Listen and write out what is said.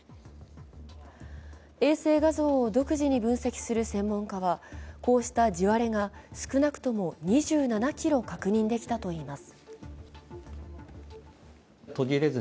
衛星画像を独自に分析する専門家はこうした地割れが少なくとも２７ｋｍ確認できたといいます。